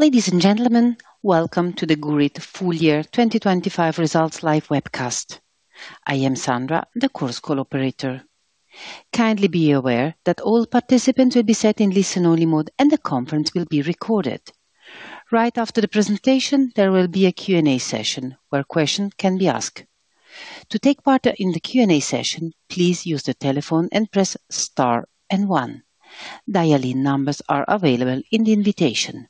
Ladies and gentlemen, welcome to the Gurit Full Year 2025 Results live webcast. I am Sandra, the Chorus Call operator. Kindly be aware that all participants will be set in listen-only mode, and the conference will be recorded. Right after the presentation, there will be a Q&A session where questions can be asked. To take part in the Q&A session, please use the telephone and press star and one. Dial-in numbers are available in the invitation.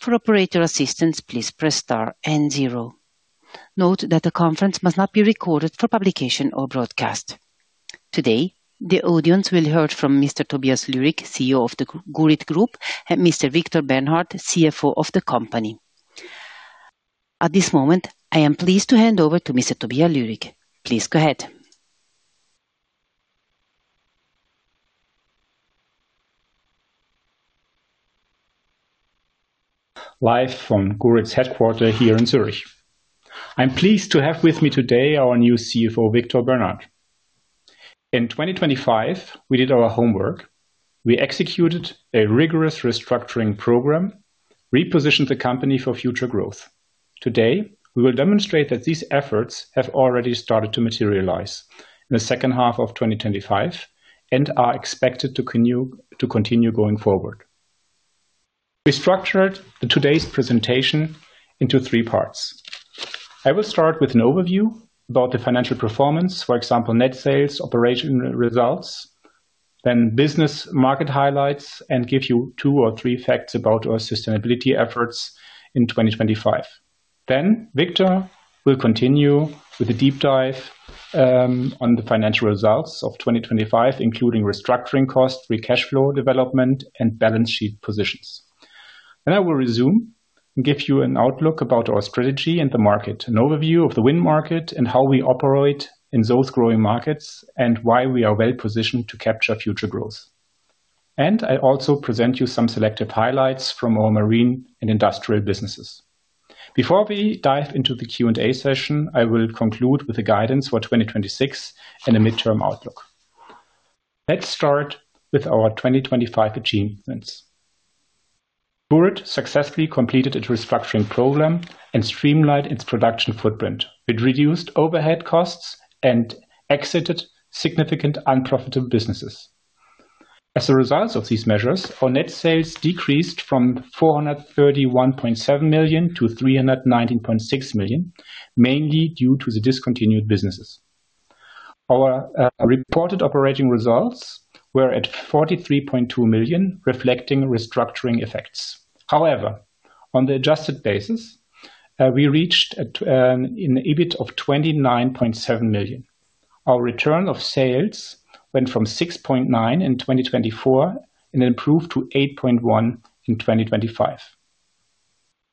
For operator assistance, please press star and zero. Note that the conference must not be recorded for publication or broadcast. Today, the audience will hear from Mr. Tobias Lührig, CEO of the Gurit Group, and Mr. Viktor Bernhardt, CFO of the company. At this moment, I am pleased to hand over to Mr. Tobias Lührig. Please go ahead. Live from Gurit's headquarter here in Zurich. I'm pleased to have with me today our new CFO, Viktor Bernhardt. In 2025, we did our homework. We executed a rigorous restructuring program, repositioned the company for future growth. Today, we will demonstrate that these efforts have already started to materialize in the second half of 2025 and are expected to continue going forward. We structured today's presentation into 3 parts. I will start with an overview about the financial performance, for example, net sales, operational results, business market highlights, and give you 2 or 3 facts about our sustainability efforts in 2025. Viktor will continue with a deep dive on the financial results of 2025, including restructuring costs, free cash flow development, and balance sheet positions. I will resume and give you an outlook about our strategy and the market, an overview of the wind market and how we operate in those growing markets, and why we are well-positioned to capture future growth. I also present you some selective highlights from our Marine and Industrial businesses. Before we dive into the Q&A session, I will conclude with the guidance for 2026 and a midterm outlook. Let's start with our 2025 achievements. Gurit successfully completed its restructuring program and streamlined its production footprint. It reduced overhead costs and exited significant unprofitable businesses. As a result of these measures, our net sales decreased from 431.7 million to 319.6 million, mainly due to the discontinued businesses. Our reported operating results were at 43.2 million, reflecting restructuring effects. On the adjusted basis, we reached at an EBIT of 29.7 million. Our Return on Sales went from 6.9% in 2024 and improved to 8.1% in 2025.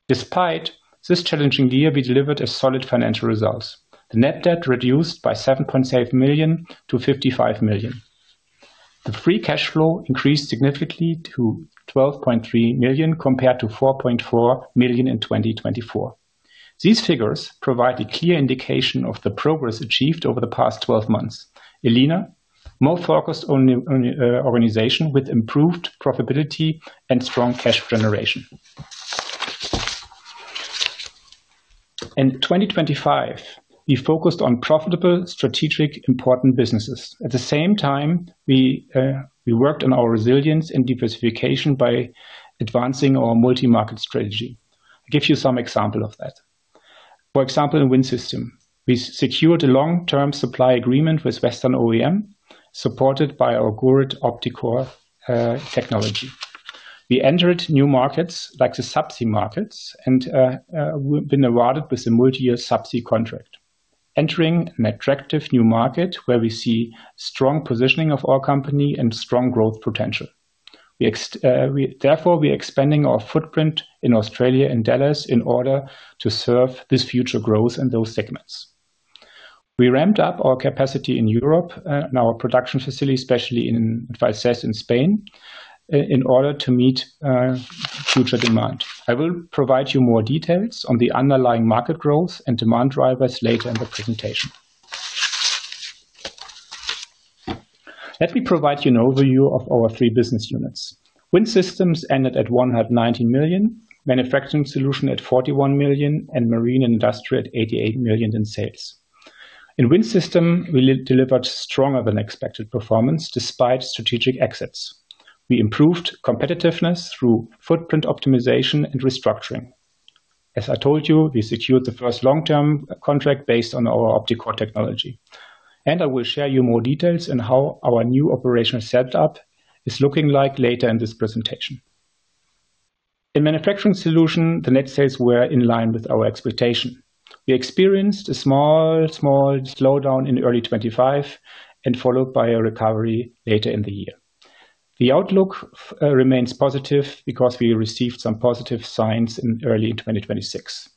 Despite this challenging year, we delivered a solid financial results. The net debt reduced by 7.7 million to 55 million. The free cash flow increased significantly to 12.3 million compared to 4.4 million in 2024. These figures provide a clear indication of the progress achieved over the past 12 months. A leaner, more focused organization with improved profitability and strong cash generation. In 2025, we focused on profitable, strategic, important businesses. We worked on our resilience and diversification by advancing our multi-market strategy. I give you some example of that. For example, in Wind Systems, we secured a long-term supply agreement with Western OEM, supported by our Gurit OptiCore technology. We entered new markets like the subsea markets and we've been awarded with a multi-year subsea contract, entering an attractive new market where we see strong positioning of our company and strong growth potential. We, therefore, we expanding our footprint in Australia and Dallas in order to serve this future growth in those segments. We ramped up our capacity in Europe in our production facility, especially in Vall d'Uixó in Spain, in order to meet future demand. I will provide you more details on the underlying market growth and demand drivers later in the presentation. Let me provide you an overview of our three business units. Wind Systems ended at 190 million, Manufacturing Solutions at 41 million, and Marine Industrial at 88 million in sales. In Wind Systems, we delivered stronger than expected performance despite strategic exits. We improved competitiveness through footprint optimization and restructuring. As I told you, we secured the first long-term contract based on our OptiCore technology. I will share you more details on how our new operational set up is looking like later in this presentation. In Manufacturing Solutions, the net sales were in line with our expectation. We experienced a small slowdown in early 2025 and followed by a recovery later in the year. The outlook remains positive because we received some positive signs in early 2026.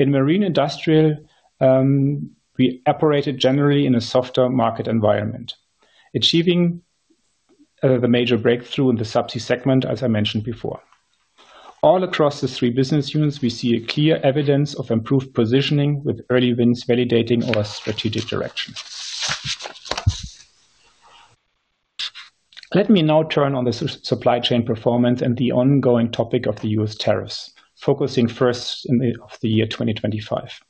In Marine Industrial, we operated generally in a softer market environment. Achieving the major breakthrough in the subsea segment, as I mentioned before. All across the three business units, we see clear evidence of improved positioning with early wins validating our strategic direction. Let me now turn on the supply chain performance and the ongoing topic of the U.S. tariffs, focusing first of the year 2025.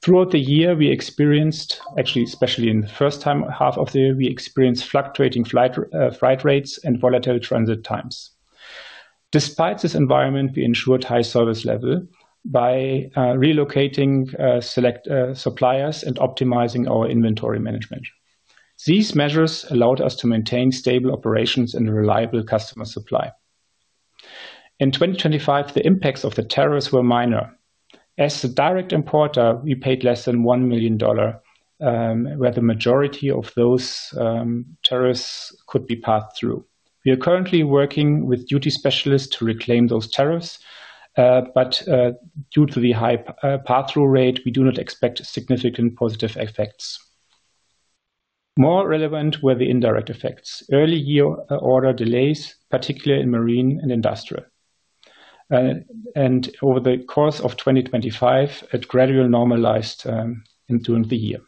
Throughout the year, we experienced, actually, especially in the first half of the year, we experienced fluctuating freight rates and volatile transit times. Despite this environment, we ensured high service level by relocating select suppliers and optimizing our inventory management. These measures allowed us to maintain stable operations and reliable customer supply. In 2025, the impacts of the tariffs were minor. As the direct importer, we paid less than $1 million, where the majority of those tariffs could be passed through. We are currently working with duty specialists to reclaim those tariffs, but due to the high pass-through rate, we do not expect significant positive effects. More relevant were the indirect effects. Early year order delays, particularly in Marine and Industrial. And over the course of 2025, it gradually normalized during the year.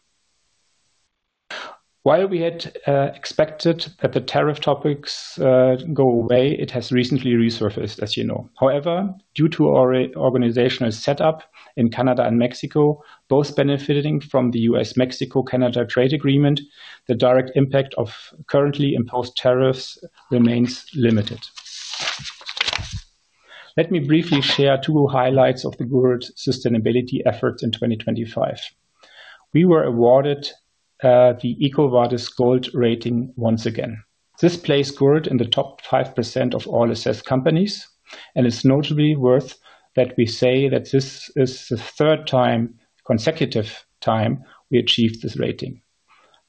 While we had expected that the tariff topics go away, it has recently resurfaced, as you know. However, due to our organizational setup in Canada and Mexico, both benefiting from the U.S.-Mexico-Canada trade agreement, the direct impact of currently imposed tariffs remains limited. Let me briefly share two highlights of the Gurit sustainability efforts in 2025. We were awarded the EcoVadis Gold rating once again. This place Gurit in the top 5% of all assessed companies, and it's notably worth that we say that this is the third time, consecutive time we achieved this rating.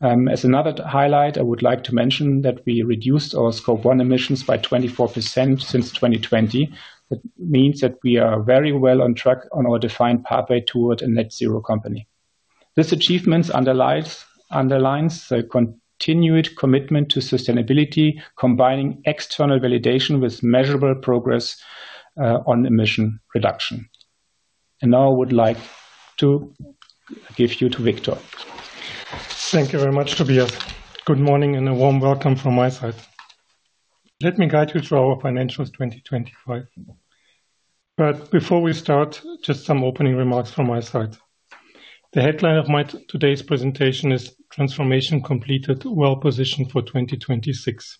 As another highlight, I would like to mention that we reduced our Scope 1 emissions by 24% since 2020. That means that we are very well on track on our defined pathway toward a net zero company. This achievement underlines the continued commitment to sustainability, combining external validation with measurable progress on emission reduction. Now I would like to give you to Viktor. Thank you very much, Tobias. Good morning and a warm welcome from my side. Let me guide you through our financials 2025. Before we start, just some opening remarks from my side. The headline of my today's presentation is Transformation Completed, Well-Positioned for 2026.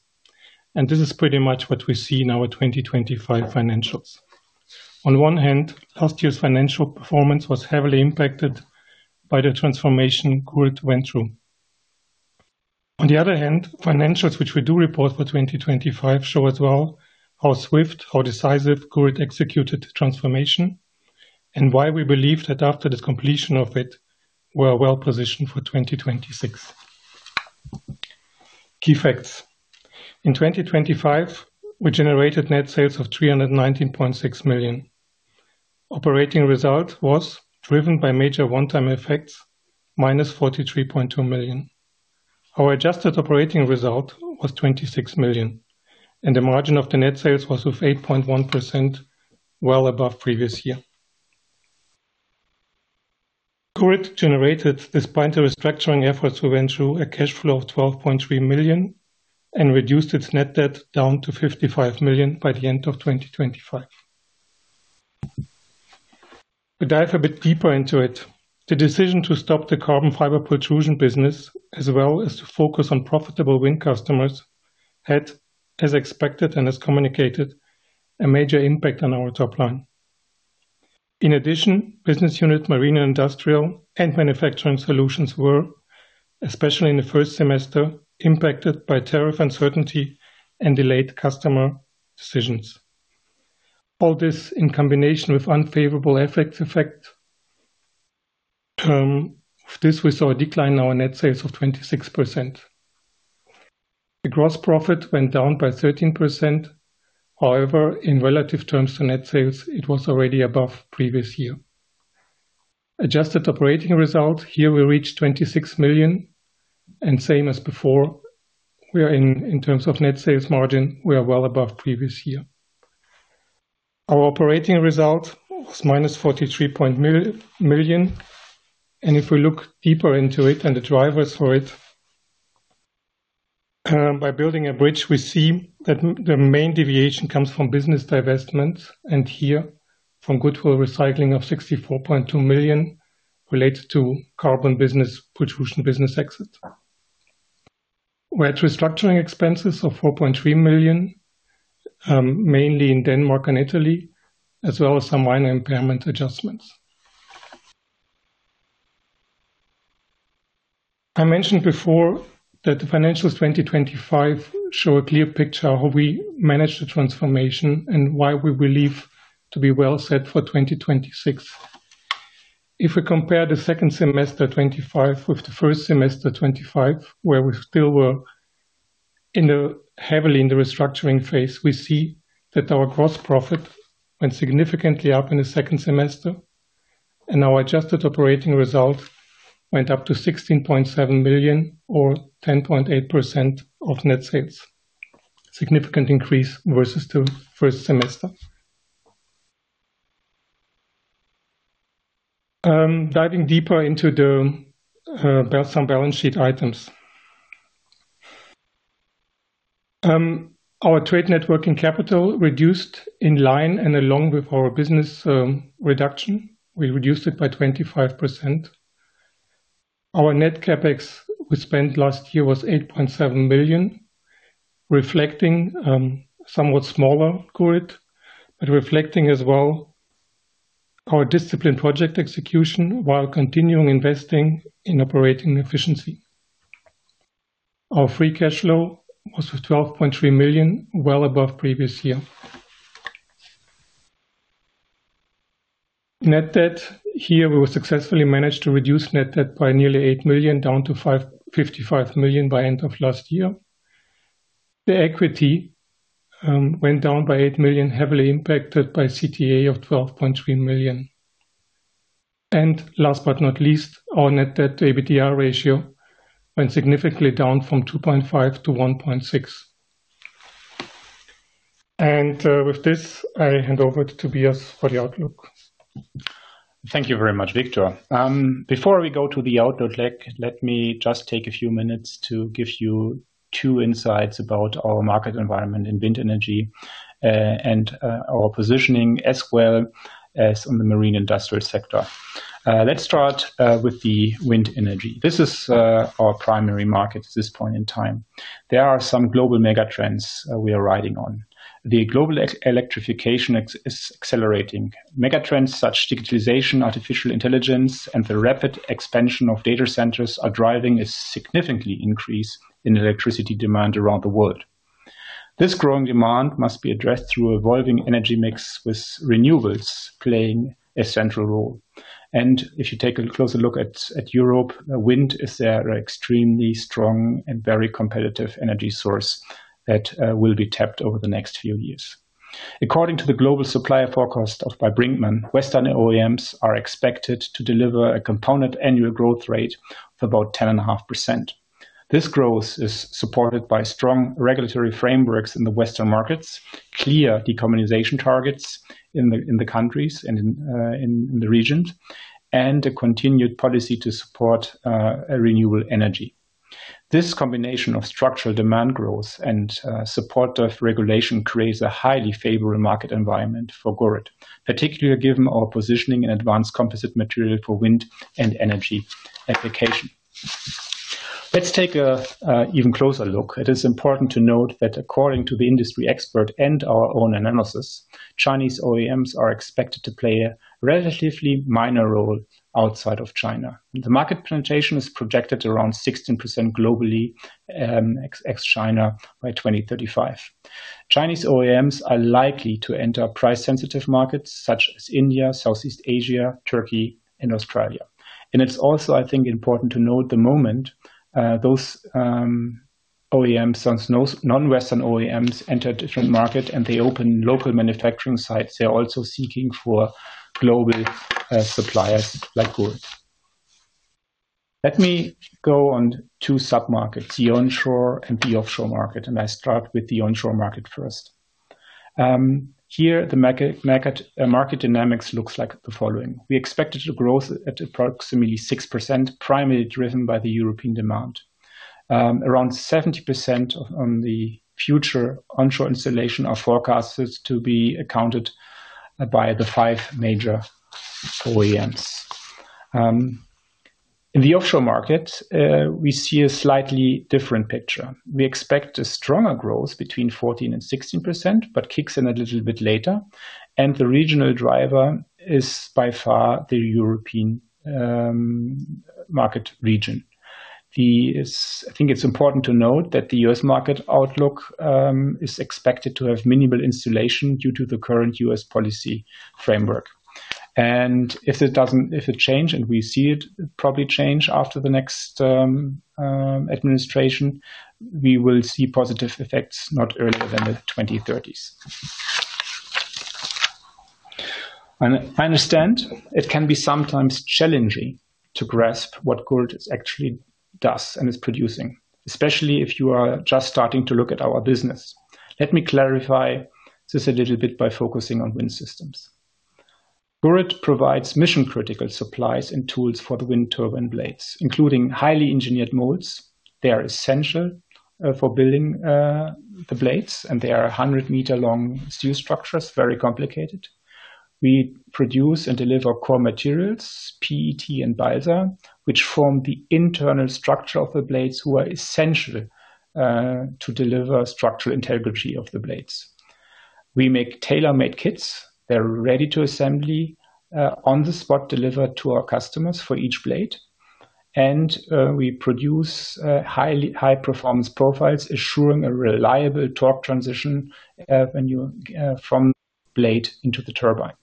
This is pretty much what we see in our 2025 financials. On one hand, last year's financial performance was heavily impacted by the transformation Gurit went through. On the other hand, financials which we do report for 2025 show as well how swift, how decisive Gurit executed transformation and why we believe that after the completion of it, we are well-positioned for 2026. Key facts. In 2025, we generated net sales of 319.6 million. Operating result was driven by major one-time effects, -43.2 million. Our adjusted operating result was 26 million. The margin of the net sales was of 8.1%, well above previous year. Gurit generated, despite the restructuring efforts we went through, a cash flow of 12.3 million and reduced its net debt down to 55 million by the end of 2025. We dive a bit deeper into it. The decision to stop the carbon fiber pultrusion business as well as to focus on profitable wind customers had, as expected and as communicated, a major impact on our top line. Business unit Marine and Industrial and Manufacturing Solutions were, especially in the first semester, impacted by tariff uncertainty and delayed customer decisions. All this in combination with unfavorable FX effect. This we saw a decline in our net sales of 26%. The gross profit went down by 13%. In relative terms to net sales, it was already above previous year. Adjusted operating result, here we reached 26 million. Same as before, we are in terms of net sales margin, we are well above previous year. Our operating result was -43 million. If we look deeper into it and the drivers for it, by building a bridge, we see that the main deviation comes from business divestment and here from goodwill recycling of 64.2 million related to carbon business, pultrusion business exit. We had restructuring expenses of 4.3 million, mainly in Denmark and Italy, as well as some minor impairment adjustments. I mentioned before that the financials 2025 show a clear picture of how we managed the transformation and why we believe to be well set for 2026. If we compare the second semester 2025 with the first semester 2025, where we still were in the heavily in the restructuring phase, we see that our gross profit went significantly up in the second semester and our adjusted operating result went up to 16.7 million or 10.8% of net sales. Significant increase versus the first semester. Diving deeper into some balance sheet items. Our trade net working capital reduced in line and along with our business reduction, we reduced it by 25%. Our net CapEx we spent last year was 8.7 billion, reflecting somewhat smaller, Gurit, but reflecting as well our disciplined project execution while continuing investing in operating efficiency. Our free cash flow was 12.3 million, well above previous year. Net debt, here we successfully managed to reduce net debt by nearly 8 million, down to 55 million by end of last year. The equity went down by 8 million, heavily impacted by CTA of 12.3 million. Last but not least, our net debt to EBITDA ratio went significantly down from 2.5x to 1.6x. With this, I hand over to Tobias for the outlook. Thank you very much, Victor. Before we go to the outlook, let me just take a few minutes to give you two insights about our market environment in wind energy, and our positioning as well as on the Marine and Industrial sector. Let's start with the wind energy. This is our primary market at this point in time. There are some global mega trends we are riding on. The global electrification is accelerating. Mega trends such as digitization, artificial intelligence, and the rapid expansion of data centers are driving a significantly increase in electricity demand around the world. This growing demand must be addressed through evolving energy mix with renewables playing a central role. If you take a closer look at Europe, wind is their extremely strong and very competitive energy source that will be tapped over the next few years. According to the global supplier forecast of by Brinckmann, Western OEMs are expected to deliver a compound annual growth rate of about 10.5%. This growth is supported by strong regulatory frameworks in the Western markets, clear decarbonization targets in the countries and in the regions, and a continued policy to support a renewable energy. This combination of structural demand growth and support of regulation creates a highly favorable market environment for Gurit, particularly given our positioning in advanced composite material for wind and energy application. Let's take a even closer look. It is important to note that according to the industry expert and our own analysis, Chinese OEMs are expected to play a relatively minor role outside of China. The market penetration is projected around 16% globally, ex-China by 2035. Chinese OEMs are likely to enter price-sensitive markets such as India, Southeast Asia, Turkey, and Australia. It's also, I think, important to note the moment, those OEMs, since non-Western OEMs enter different market and they open local manufacturing sites, they're also seeking for global suppliers like Gurit. Let me go on 2 sub-markets, the onshore and the offshore market. I start with the onshore market first. Here the market dynamics looks like the following. We expected a growth at approximately 6%, primarily driven by the European demand. Around 70% of on the future onshore installation are forecasted to be accounted by the five major OEMs. In the offshore market, we see a slightly different picture. We expect a stronger growth between 14% and 16%, but kicks in a little bit later, and the regional driver is by far the European market region. I think it's important to note that the U.S. market outlook is expected to have minimal installation due to the current US policy framework. If it change, and we see it probably change after the next administration, we will see positive effects not earlier than the 2030s. I understand it can be sometimes challenging to grasp what Gurit actually does and is producing, especially if you are just starting to look at our business. Let me clarify this a little bit by focusing on Wind Systems. Gurit provides mission-critical supplies and tools for the wind turbine blades, including highly engineered molds. They are essential for building the blades, and they are 100-meter-long steel structures, very complicated. We produce and deliver core materials, PET and balsa, which form the internal structure of the blades who are essential to deliver structural integrity of the blades. We make tailor-made kits. They're ready to assembly on the spot delivered to our customers for each blade. We produce high-performance profiles, ensuring a reliable torque transition when you from blade into the turbine.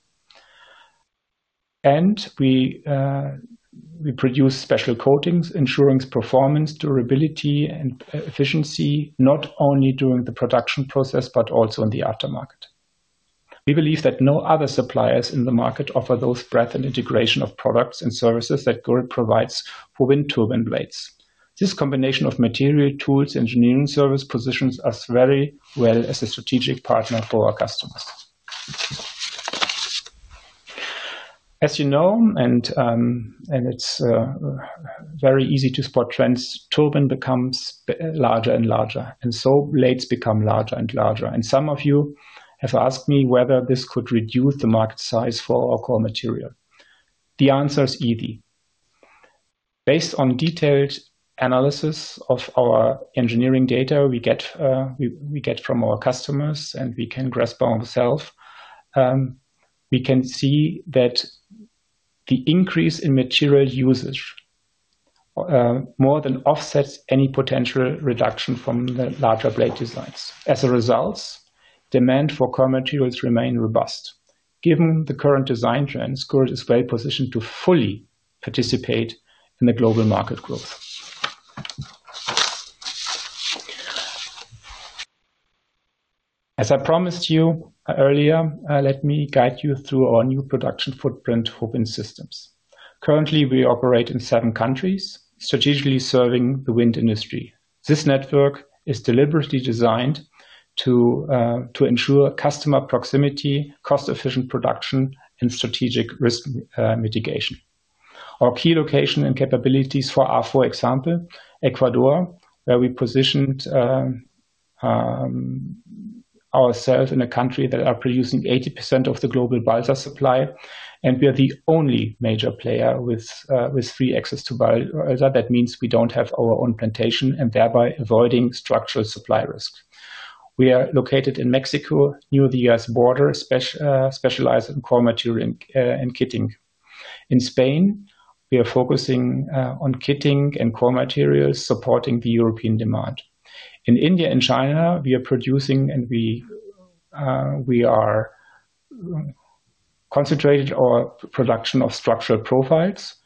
We produce special coatings, ensuring performance, durability, and efficiency, not only during the production process but also in the aftermarket. We believe that no other suppliers in the market offer those breadth and integration of products and services that Gurit provides for wind turbine blades. This combination of material tools, engineering service, positions us very well as a strategic partner for our customers. As you know, and it's very easy to spot trends, turbine becomes larger and larger, and so blades become larger and larger. Some of you have asked me whether this could reduce the market size for our core material. The answer is easy. Based on detailed analysis of our engineering data we get from our customers and we can grasp ourselves, we can see that the increase in material usage more than offsets any potential reduction from the larger blade designs. As a result, demand for core materials remain robust. Given the current design trends, Gurit is very positioned to fully participate in the global market growth. As I promised you earlier, let me guide you through our new production footprint for Wind Systems. Currently, we operate in seven countries, strategically serving the wind industry. This network is deliberately designed to ensure customer proximity, cost-efficient production, and strategic risk mitigation. Our key location and capabilities are, for example, Ecuador, where we positioned ourself in a country that are producing 80% of the global balsa supply, and we are the only major player with free access to balsa. That means we don't have our own plantation and thereby avoiding structural supply risk. We are located in Mexico, near the U.S. border, specialized in core material and kitting. In Spain, we are focusing on kitting and core materials, supporting the European demand. In India and China, we are producing and we are concentrated on production of structural profiles.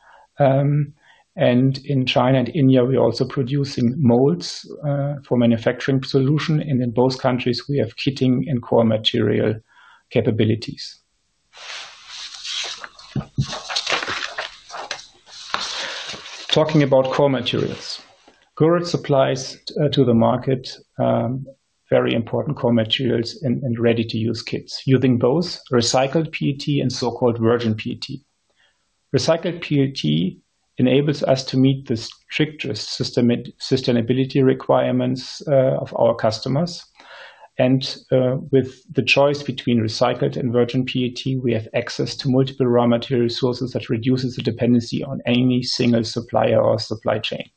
In China and India, we're also producing molds for manufacturing solution. In both countries, we have kitting and core material capabilities. Talking about core materials. Gurit supplies to the market very important core materials and ready-to-use kits using both recycled PET and so-called virgin PET. Recycled PET enables us to meet the strictest sustainability requirements of our customers. With the choice between recycled and virgin PET, we have access to multiple raw material resources that reduces the dependency on any single supplier or supply chain.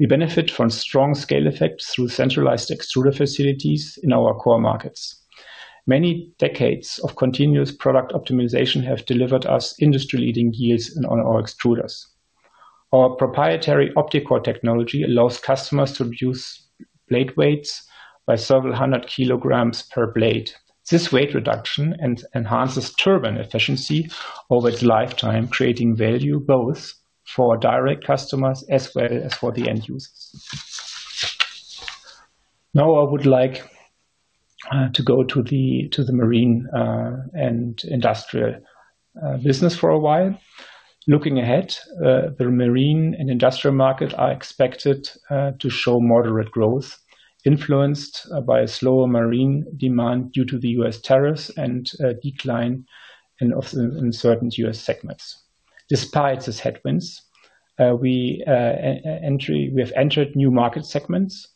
We benefit from strong scale effects through centralized extruder facilities in our core markets. Many decades of continuous product optimization have delivered us industry-leading yields and on our extruders. Our proprietary OptiCore technology allows customers to reduce blade weights by several 100 kg per blade. This weight reduction enhances turbine efficiency over its lifetime, creating value both for direct customers as well as for the end users. Now I would like to go to the to the Marine and Industrial business for a while. Looking ahead, the Marine and Industrial market are expected to show moderate growth influenced by a slower marine demand due to the U.S. tariffs and decline in certain U.S. segments. Despite these headwinds, we have entered new market segments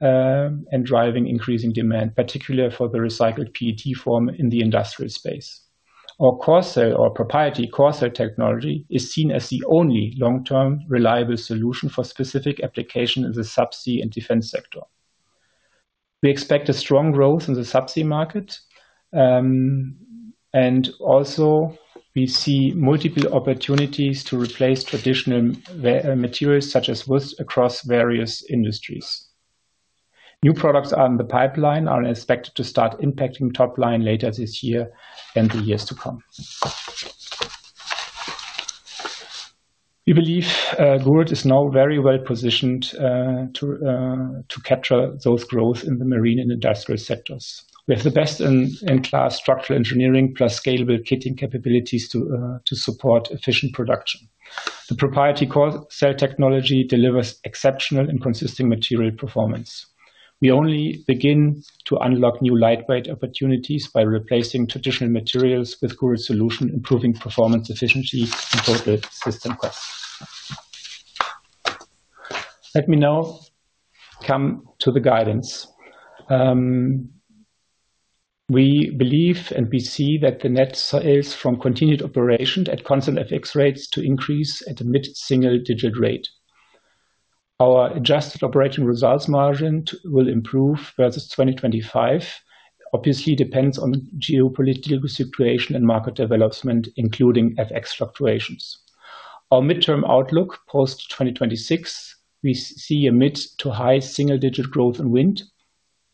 and driving increasing demand, particularly for the recycled PET form in the industrial space. Our Corecell or proprietary core technology is seen as the only long-term reliable solution for specific application in the subsea and defense sector. We expect a strong growth in the subsea market, also we see multiple opportunities to replace traditional materials such as wood across various industries. New products are in the pipeline, are expected to start impacting top line later this year and the years to come. We believe Gurit is now very well positioned to capture those growth in the Marine and Industrial sectors. We have the best in-class structural engineering plus scalable kitting capabilities to support efficient production. The proprietary Corecell technology delivers exceptional and consistent material performance. We only begin to unlock new lightweight opportunities by replacing traditional materials with Gurit solution, improving performance efficiency and total system costs. Let me now come to the guidance. We believe, and we see that the net sales from continued operations at constant FX rates to increase at a mid-single-digit rate. Our adjusted operating results margin will improve versus 2025, obviously depends on geopolitical situation and market development, including FX fluctuations. Our midterm outlook, post 2026, we see a mid-to-high single-digit growth in wind,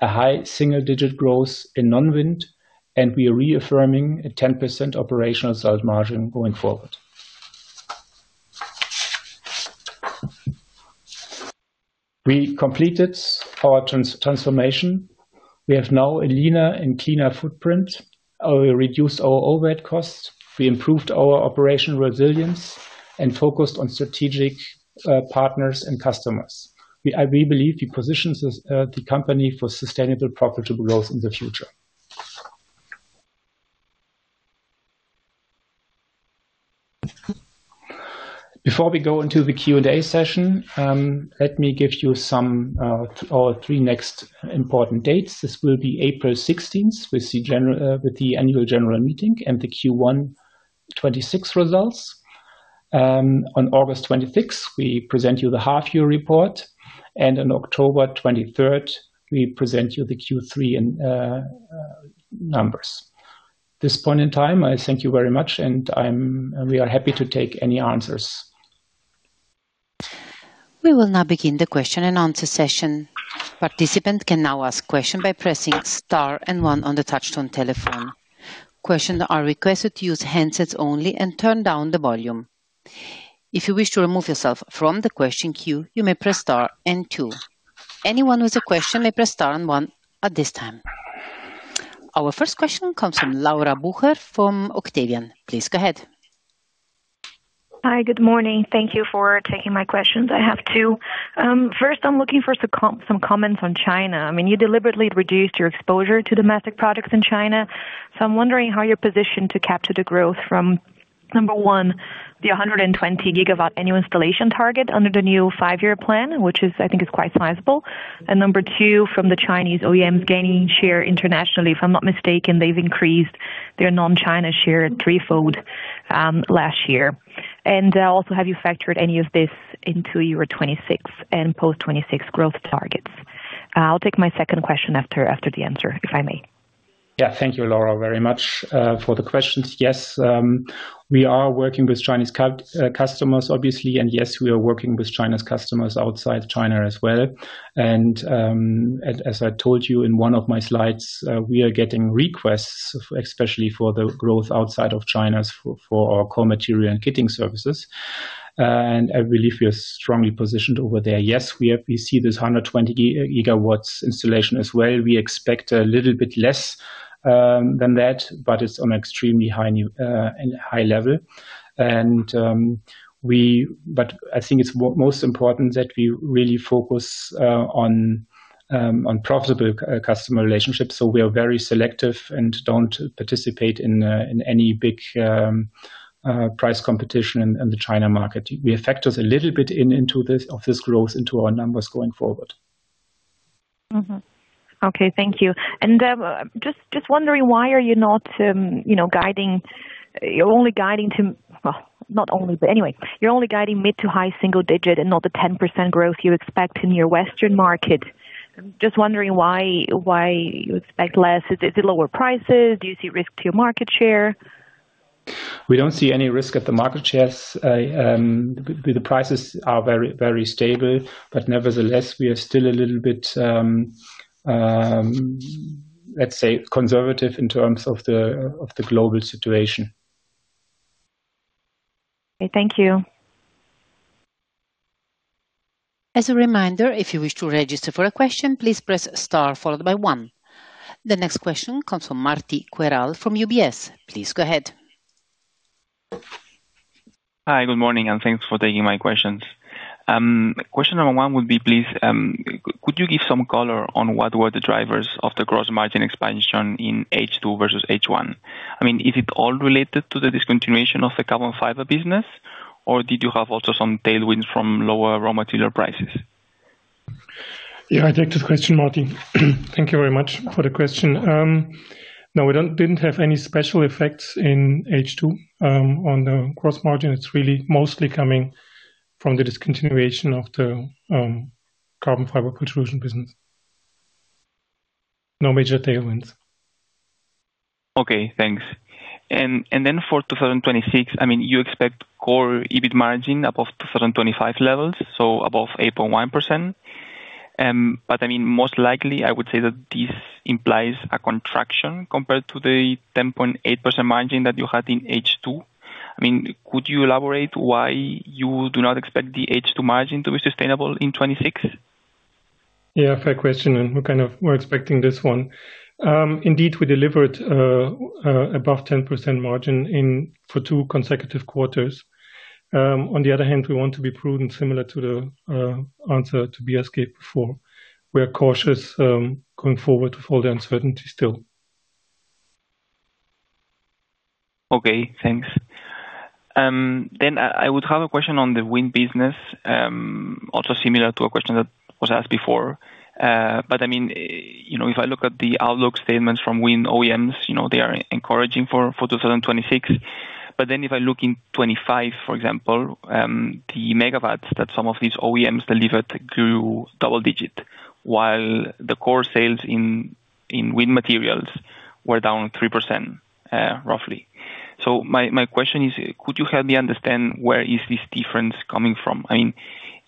a high single-digit growth in non-wind, and we are reaffirming a 10% operational sales margin going forward. We completed our transformation. We have now a leaner and cleaner footprint. We reduced our overhead costs. We improved our operational resilience and focused on strategic partners and customers. We believe we positioned the company for sustainable profitable growth in the future. Before we go into the Q&A session, let me give you some or 3 next important dates. This will be April 16th, with the annual general meeting and the Q1 2026 results. On August 26th, we present you the half year report, and on October 23rd, we present you the Q3 numbers. This point in time, I thank you very much, and we are happy to take any answers. We will now begin the question and answer session. Participant can now ask question by pressing star one on the touch-tone telephone. Questioner are requested to use handsets only and turn down the volume. If you wish to remove yourself from the question queue, you may press star two. Anyone with a question may press star one at this time. Our first question comes from Laura Bucher from Octavian. Please go ahead. Hi, good morning. Thank you for taking my questions. I have two. First, I'm looking for some comments on China. I mean, you deliberately reduced your exposure to domestic products in China, so I'm wondering how you're positioned to capture the growth from, number one, the 120 gigawatt annual installation target under the new 14th Five-Year Plan, which is, I think is quite sizable. Number two, from the Chinese OEM gaining share internationally. If I'm not mistaken, they've increased their non-China share threefold last year. Also have you factored any of this into your 2026 and post 2026 growth targets? I'll take my second question after the answer, if I may. Thank you, Laura, very much for the questions. We are working with Chinese customers obviously, we are working with China's customers outside China as well. As I told you in one of my slides, we are getting requests, especially for the growth outside of China's for our core material and kitting services. I believe we are strongly positioned over there. We see this 120 gigawatts installation as well. We expect a little bit less than that, it's on extremely high level. I think it's most important that we really focus on profitable customer relationships. We are very selective and don't participate in any big price competition in the China market. We factors a little bit into this, of this growth into our numbers going forward. Okay. Thank you. Just wondering why are you not, you know, guiding mid-to-high single-digit and not the 10% growth you expect in your Western market. Just wondering why you expect less. Is it lower prices? Do you see risk to your market share? We don't see any risk at the market shares. The prices are very, very stable, but nevertheless, we are still a little bit, let's say conservative in terms of the global situation. Okay. Thank you. As a reminder, if you wish to register for a question, please press star followed by one. The next question comes from Martí Queral from UBS. Please go ahead. Hi, good morning, and thanks for taking my questions. Question number one would be, please, could you give some color on what were the drivers of the gross margin expansion in H2 versus H1? I mean, is it all related to the discontinuation of the carbon fiber business, or did you have also some tailwinds from lower raw material prices? Yeah, I take this question, Martí. Thank you very much for the question. No, we didn't have any special effects in H2, on the gross margin. It's really mostly coming from the discontinuation of the carbon fiber pultrusion business. No major tailwinds. Okay, thanks. For 2026, I mean, you expect core EBIT margin above 2025 levels, above 8.1%. I mean, most likely, I would say that this implies a contraction compared to the 10.8% margin that you had in H2. I mean, could you elaborate why you do not expect the H2 margin to be sustainable in 2026? Yeah, fair question, and we're expecting this one. Indeed, we delivered above 10% margin in, for two consecutive quarters. On the other hand, we want to be prudent, similar to the answer to BSK before. We are cautious going forward with all the uncertainty still. Okay, thanks. I would have a question on the wind business, also similar to a question that was asked before. I mean, you know, if I look at the outlook statements from Wind OEMs, you know, they are encouraging for 2026. If I look in 2025, for example, the megawatts that some of these OEMs delivered grew double digit, while the core sales in Wind Materials were down 3%, roughly. My question is, could you help me understand where is this difference coming from? I mean,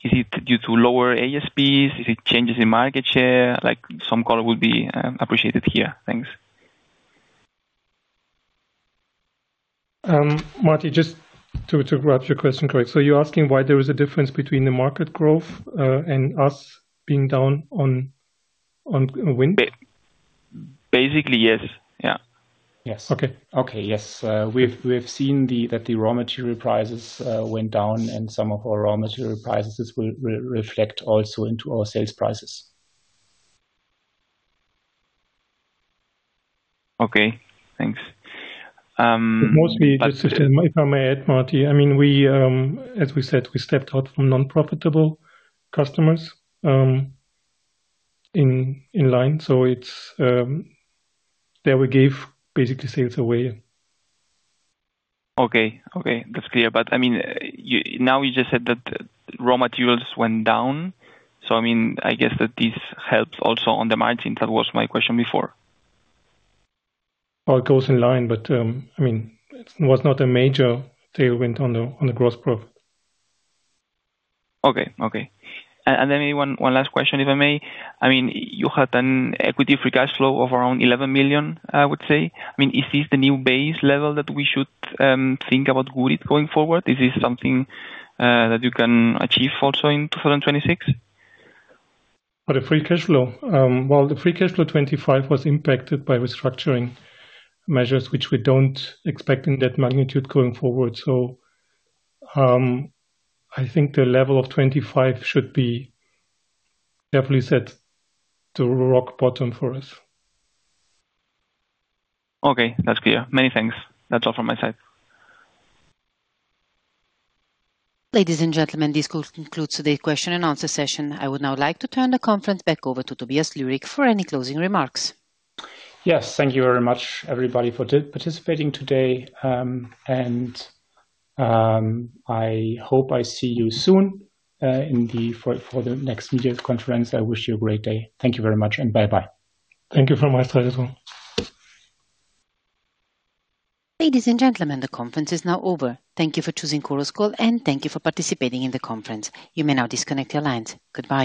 is it due to lower ASPs? Is it changes in market share? Like, some color would be appreciated here. Thanks. Martí, just to grab your question correct. You're asking why there is a difference between the market growth and us being down on wind? Basically, yes. Yeah. Yes. Okay. Okay. Yes. We've seen that the raw material prices went down. Some of our raw material prices will reflect also into our sales prices. Okay, thanks. Mostly just if I may add, Martí, I mean, we, as we said, we stepped out from non-profitable customers, in line. It's, there we gave basically sales away. Okay. Okay. That's clear. I mean, now you just said that raw materials went down. I mean, I guess that this helps also on the margin. That was my question before. Well, it goes in line, but, I mean, it was not a major tailwind on the, on the gross profit. Okay. Okay. Only one last question, if I may. I mean, you had an equity free cash flow of around 11 million, I would say. I mean, is this the new base level that we should think about Gurit going forward? Is this something that you can achieve also in 2026? For the free cash flow. Well, the free cash flow 2025 was impacted by restructuring measures, which we don't expect in that magnitude going forward. I think the level of 2025 should be definitely set to rock bottom for us. Okay. That's clear. Many thanks. That's all from my side. Ladies and gentlemen, this concludes today's question and answer session. I would now like to turn the conference back over to Tobias Lührig for any closing remarks. Yes. Thank you very much, everybody, for participating today. I hope I see you soon for the next media conference. I wish you a great day. Thank you very much, and bye-bye. Thank you from my side as well. Ladies and gentlemen, the conference is now over. Thank you for choosing Chorus Call, and thank you for participating in the conference. You may now disconnect your lines. Goodbye.